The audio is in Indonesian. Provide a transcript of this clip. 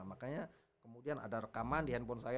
makanya kemudian ada rekaman di handphone saya